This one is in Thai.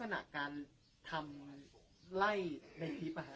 ลักษณะการทำไล่ในคลิป